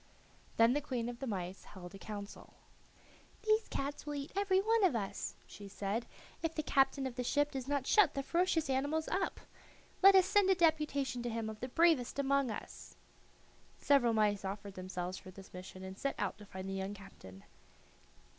Then the queen of the mice held a council. "These cats will eat every one of us," she said, "if the captain of the ship does not shut the ferocious animals up. Let us send a deputation to him of the bravest among us." Several mice offered themselves for this mission and set out to find the young captain.